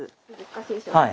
はい。